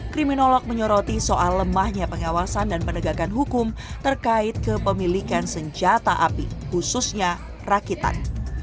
kriminolog menyoroti soal lemahnya pengawasan dan penegakan hukum terkait kepemilikan senjata api khususnya rakitan